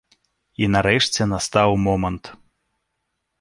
І нарэшце настаў момант.